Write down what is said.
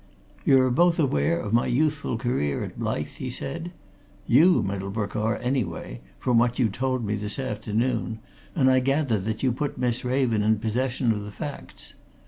"You're both aware of my youthful career at Blyth?" he said. "You, Middlebrook, are, anyway, from what you told me this afternoon, and I gather that you put Miss Raven in possession of the facts.